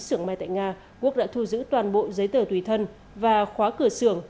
sưởng may tại nga quốc đã thu giữ toàn bộ giấy tờ tùy thân và khóa cửa xưởng